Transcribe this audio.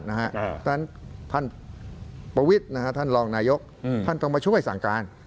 เพราะฉะนั้นท่านประวิทย์ท่านรองนายกท่านต้องมาช่วยสั่งการ